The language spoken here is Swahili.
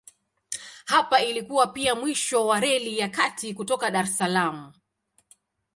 Hapa ilikuwa pia mwisho wa Reli ya Kati kutoka Dar es Salaam.